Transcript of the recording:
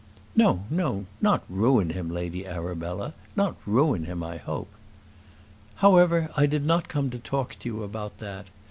"No, no, not ruin him, Lady Arabella; not ruin him, I hope." "However, I did not come to talk to you about that.